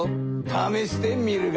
ためしてみるがよい。